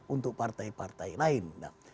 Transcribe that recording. untuk partai partai lain